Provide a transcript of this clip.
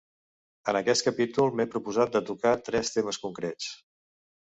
En aquest capítol, m'he proposat de tocar tres temes concrets.